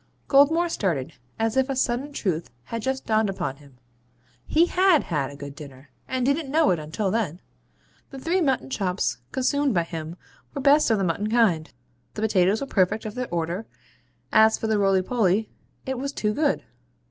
Goldmore started, as if a sudden truth had just dawned upon him. He HAD had a good dinner; and didn't know it until then. The three mutton chops consumed by him were best of the mutton kind; the potatoes were perfect of their order; as for the rolypoly, it was too good.